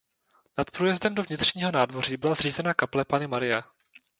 Nad průjezdem do vnitřního nádvoří byla zřízena kaple Panny Marie.